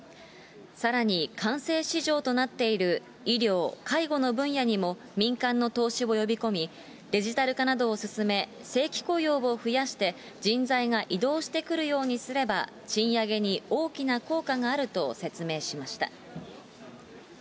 さらに官製市場となっている医療、介護の分野にも民間の投資を呼び込み、デジタル化などを進め、正規雇用を増やして、人材が移動してくるようにすれば、賃上げに大きな効果があると説明しました。